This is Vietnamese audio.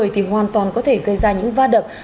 thì hoàn toàn có thể gây ra những va đập